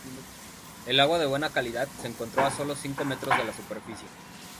El agua, de buena calidad, se encontró a sólo cinco metros de la superficie.